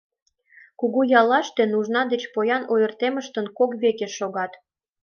Кугу яллаште нужна ден поян ойыртемышын кок веке шогат.